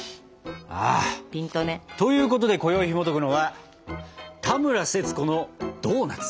あということでこよいひもとくのは「田村セツコのドーナツ」。